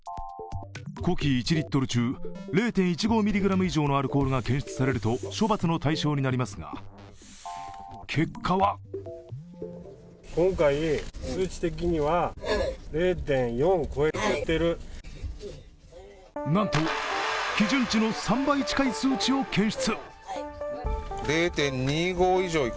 呼気１リットル中０．１５ｍｇ以上のアルコールが検出されると処罰の対象になりますが、結果はなんと基準値の３倍近い数値を検出。